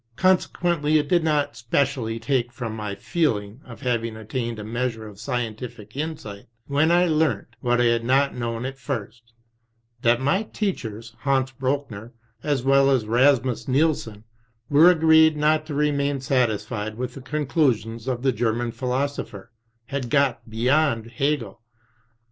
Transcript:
Consequently it did not specially take from my feel ing of having attained a measure of scientific insight, when I learnt — ^what I had not known at first — that my teachers, Hans Brochner, as well as Rasmus Nielsen, were agreed not to remain satisfied with the conclusions of the German phi losopher, had got beyond Hegel."